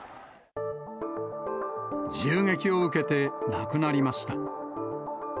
銃撃を受けて亡くなりました。